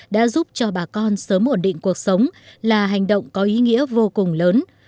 đã giúp cho bà con sớm ổn định cuộc sống là hành động có ý nghĩa vô cùng lớn